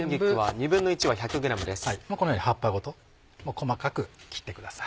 このように葉っぱごと細かく切ってください。